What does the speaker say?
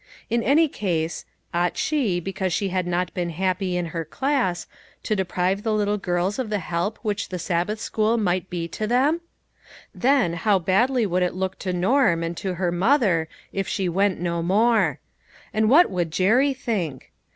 In any case, ought she, because she had not been happy in 168 LITTLE FISHERS : AND THEIE NETS. her class, to deprive the little girls of the help which the Sabbath school might be to them? Then how badly it would look to Norm, and to her mother, if she went no more. And what would Jerry think